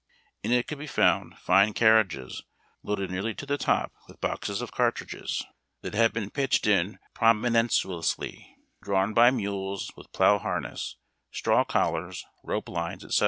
In it could be found fine carriages, loaded nearly to the top with boxes of cartridges ABMY WAGON TRAINS. 371 that had been pitched in promiscuously, drawn by mules with plough harness, sti aw collars, rope lines, etc.